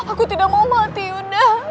aku tidak mau mati yuna